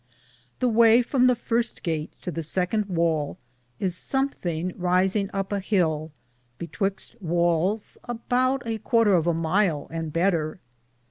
The waye from the firste gate to the seconde wale is som thinge risinge up a hill, betwyxte wales aboute a quarter of a myle and better.